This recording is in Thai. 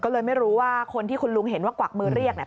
ก็เลยไม่รู้ว่าคนที่คุณลุงเห็นว่ากวักมือเรียก